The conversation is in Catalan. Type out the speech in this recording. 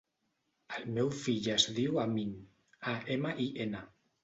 El meu fill es diu Amin: a, ema, i, ena.